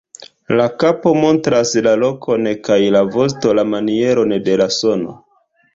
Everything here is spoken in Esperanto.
La kapo montras la lokon kaj la vosto la manieron de la sono.